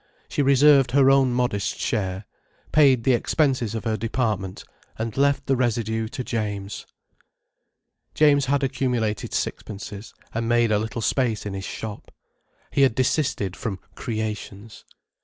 She reserved her own modest share, paid the expenses of her department, and left the residue to James. James had accumulated sixpences, and made a little space in his shop. He had desisted from "creations."